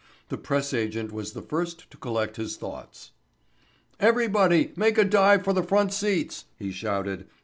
The press agent was the first to collect his thoughts. "Everybody make a dive for the front seats," he shouted.